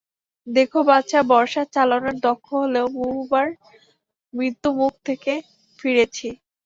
দেখো, বাছা, বর্শা চালানোয় দক্ষ হলেও, বহুবার মৃত্যুর মুখ থেকে ফিরেছি।